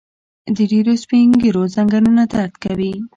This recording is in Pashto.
د ډيرو سپين ږيرو ځنګنونه درد کوي.